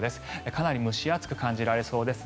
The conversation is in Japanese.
かなり蒸し暑く感じられそうです。